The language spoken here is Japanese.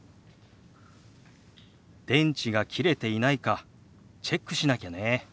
電池が切れていないかチェックしなきゃね。